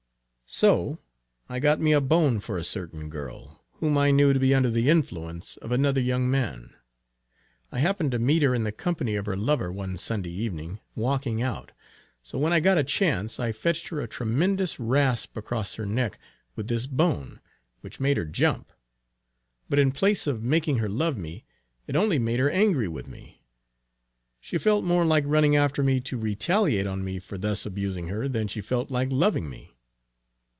So I got me a bone for a certain girl, whom I knew to be under the influence of another young man. I happened to meet her in the company of her lover, one Sunday evening, walking out; so when I got a chance, I fetched her a tremendous rasp across her neck with this bone, which made her jump. But in place of making her love me, it only made her angry with me. She felt more like running after me to retaliate on me for thus abusing her, than she felt like loving me.